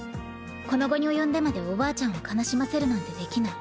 この期に及んでまでおばあちゃんを悲しませるなんてできない。